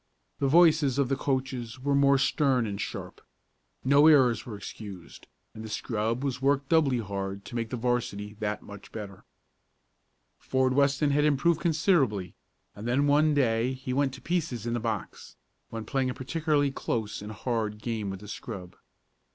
The voices of the coaches were more stern and sharp. No errors were excused, and the scrub was worked doubly hard to make the 'varsity that much better. Ford Weston had improved considerably and then one day he went to pieces in the box, when playing a particularly close and hard game with the scrub.